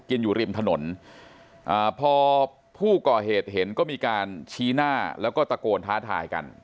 อยู่ริมถนนอ่าพอผู้ก่อเหตุเห็นก็มีการชี้หน้าแล้วก็ตะโกนท้าทายกัน